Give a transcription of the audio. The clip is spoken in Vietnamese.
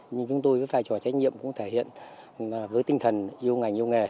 nhưng chúng tôi với vai trò trách nhiệm cũng thể hiện với tinh thần yêu ngành yêu nghề